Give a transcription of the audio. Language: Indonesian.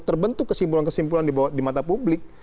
terbentuk kesimpulan kesimpulan di mata publik